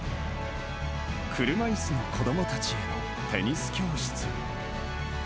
車いすの子どもたちへのテニス教室。